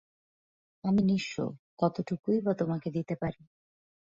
আমি নিঃস্ব, কতটুকুই বা তোমাকে দিতে পারি!